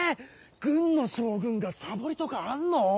軍の将軍がサボりとかあんの？